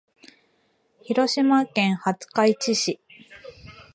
広島県廿日市市